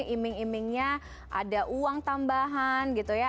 iming imingnya ada uang tambahan gitu ya